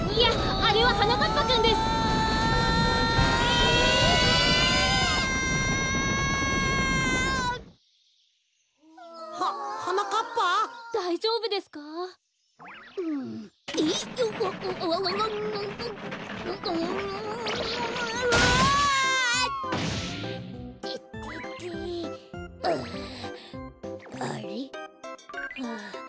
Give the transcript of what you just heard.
ああれ？はあ。